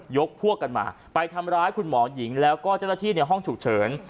พวกกันมาไปทำร้ายคุณหมอหญิงแล้วก็เจ้าหน้าที่ในห้องฉุกเฉิน